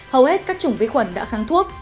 hầu hết các chủng vi khuẩn đã kháng thuốc